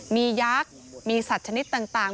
มียักษ์มีสัตว์ชนิดต่าง